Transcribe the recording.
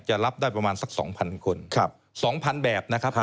รับได้ประมาณสัก๒๐๐คน๒๐๐๐แบบนะครับ